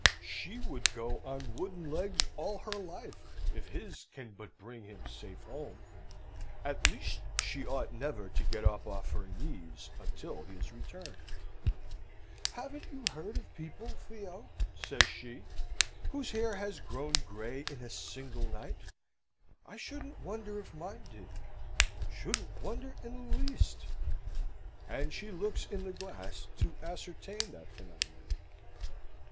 She would go on wooden legs all her life, if his can but bring him safe home; at least, she ought never to get up off her knees until he is returned. "Haven't you heard of people, Theo," says she, "whose hair has grown grey in a single night? I shouldn't wonder if mine did, shouldn't wonder in the least." And she looks in the glass to ascertain that phenomenon.